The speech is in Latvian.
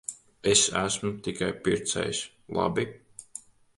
Es esmu tikai pircējs. Labi.